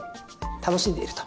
楽しんでいると。